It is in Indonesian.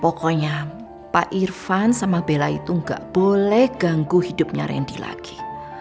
pokoknya pak irvan sama bella itu gak boleh ganggu hidupnya randy lagi